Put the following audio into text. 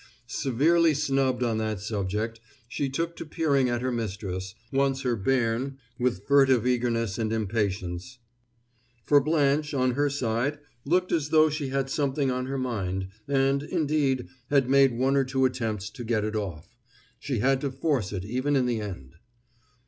Severely snubbed on that subject, she took to peering at her mistress, once her bairn, with furtive eagerness and impatience; for Blanche, on her side, looked as though she had something on her mind, and, indeed, had made one or two attempts to get it off. She had to force it even in the end.